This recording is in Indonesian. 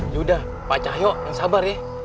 yaudah pak cahyok sabar ya